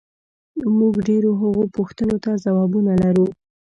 موږ ډېرو هغو پوښتنو ته ځوابونه لرو،